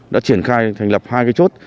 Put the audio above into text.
đã triển khai thành lập hai chốt